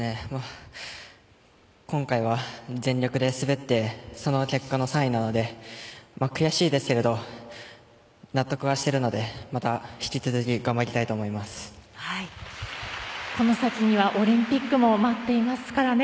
今回は全力で滑ってその結果の３位なので悔しいですけれど納得はしているのでまた引き続きこの先にはオリンピックも待っていますからね。